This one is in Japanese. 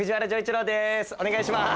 お願いします。